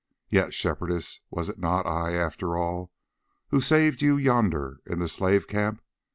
Yet, Shepherdess, was it not I after all who saved you yonder in the slave camp?